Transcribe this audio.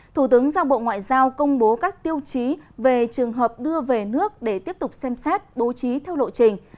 thủ tướng giao bộ ngoại giao công bố các tiêu chí về trường hợp đưa về nước để tiếp tục xem xét bố trí theo lộ trình